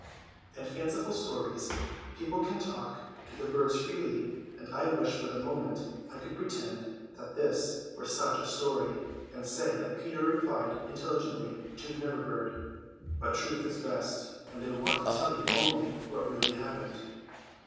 In fanciful stories people can talk to the birds freely, and I wish for the moment I could pretend that this were such a story, and say that Peter replied intelligently to the Never bird; but truth is best, and I want to tell you only what really happened.